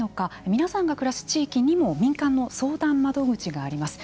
皆さんが暮らす地域にも民間の相談窓口があります。